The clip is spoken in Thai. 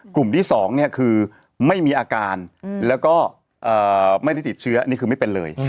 กลุ่มที่๒คือไม่มีอาการแล้วก็ไม่ได้ติดเชื้อนี่คือไม่เป็นเลย